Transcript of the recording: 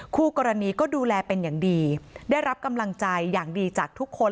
คู่กรณีก็ดูแลเป็นอย่างดีได้รับกำลังใจอย่างดีจากทุกคน